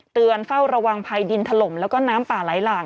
เฝ้าระวังภัยดินถล่มแล้วก็น้ำป่าไหลหลาก